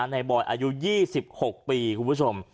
บอยอายุ๒๖ปีคุณผู้ชม